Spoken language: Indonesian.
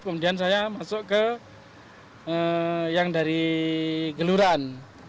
kemudian saya masuk ke yang dari geluran